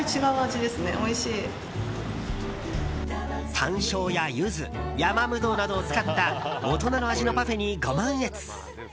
山椒やユズヤマブドウなどを使った大人の味のパフェにご満悦。